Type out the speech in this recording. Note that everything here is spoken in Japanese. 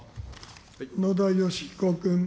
野田佳彦君。